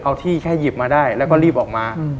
เอาที่แค่หยิบมาได้แล้วก็รีบออกมา